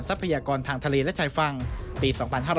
พยากรทางทะเลและชายฝั่งปี๒๕๕๙